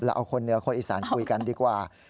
เอาคนเหนือคนอีสานคุยกันดีกว่า